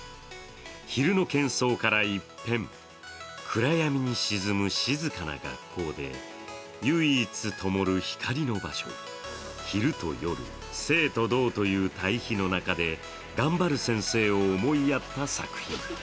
昼のけん騒から一変暗闇に沈む静かな学校で唯一ともる光の場所、昼と夜、静と動という対比の中で頑張る先生を思いやった作品。